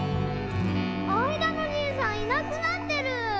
あいだのじいさんいなくなってる。